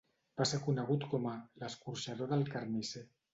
Va ser conegut com a "l'escorxador del carnisser".